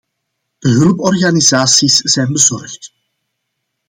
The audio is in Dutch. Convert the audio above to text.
De hulporganisaties zijn bezorgd.